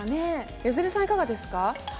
江連さんいかがですか。